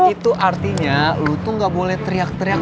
yaudah itu artinya lo tuh nggak boleh teriak teriak